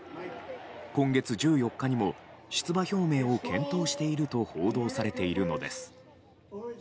今月１４日にも出馬表明を検討していると報道されているのです。